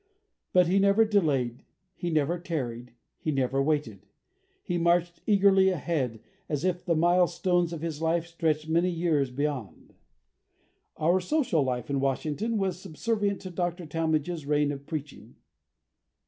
But he never delayed, he never tarried, he never waited. He marched eagerly ahead, as if the milestones of his life stretched many years beyond. Our social life in Washington was subservient to Dr. Talmage's reign of preaching.